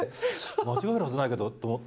間違えるはずないけどと。